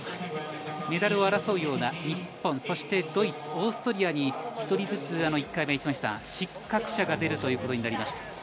メダルを争うような日本そしてドイツ、オーストリアに１人ずつ１回目失格者が出ることになりました。